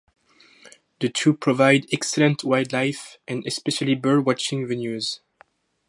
The two provide excellent wildlife and especially bird watching venues.